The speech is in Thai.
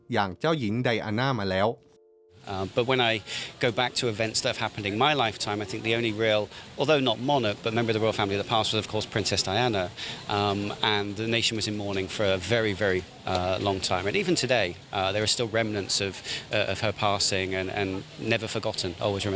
อย่างเจ้าหญิงไดอาน่ามาแล้ว